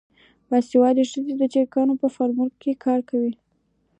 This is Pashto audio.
باسواده ښځې د چرګانو په فارمونو کې کار کوي.